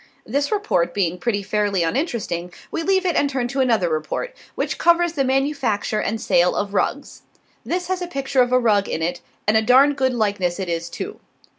This report being pretty fairly uninteresting, we leave it and turn to another report, which covers the manufacture and sale of rugs. This has a picture of a rug in it, and a darned good likeness it is, too.